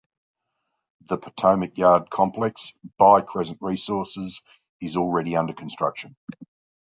The Potomac Yard Complex by Crescent Resources is already under construction.